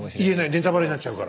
ネタバレになっちゃうから。